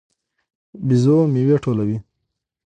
بيزو میوې ټولوي.